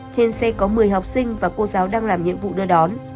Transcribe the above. trên xe có một mươi học sinh và cô giáo đang làm nhiệm vụ đưa đón